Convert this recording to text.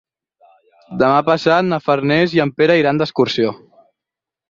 Demà passat na Farners i en Pere iran d'excursió.